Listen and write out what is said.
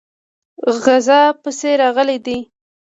غزا پسې راغلی دی.